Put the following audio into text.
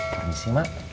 pamit sih mak